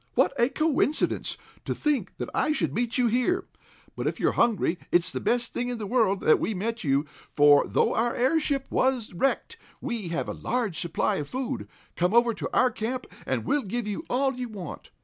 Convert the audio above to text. What a coincidence! To think that I should meet you here! But if you're hungry, it's the best thing in the world that we met you, for, though our airship was wrecked, we have a large supply of food. Come over to our camp, and we'll give you all you want!"